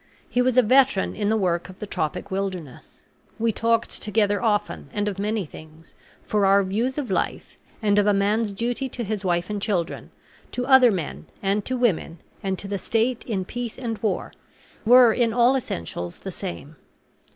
He was a veteran in the work of the tropic wilderness. We talked together often, and of many things, for our views of life, and of a man's duty to his wife and children, to other men, and to women, and to the state in peace and war, were in all essentials the same.